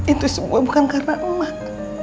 itu semua bukan karena emak